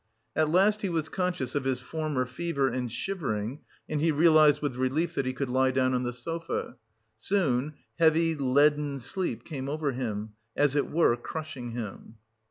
At last he was conscious of his former fever and shivering, and he realised with relief that he could lie down on the sofa. Soon heavy, leaden sleep came over him, as it were crushing him.